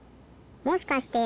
もしかして。